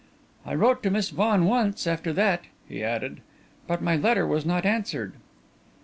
"I wrote to Miss Vaughan once, after that," he added, "but my letter was not answered."